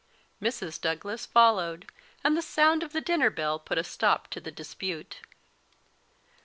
Mrs Douglas followed, and the sound of the dinner bell put a stop to the dispute.